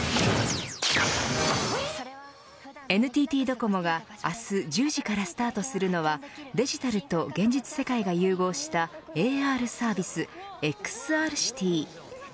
ＮＴＴドコモが明日１０時からスタートするのはデジタルと現実世界が融合したＡＲサービス、ＸＲＣｉｔｙ。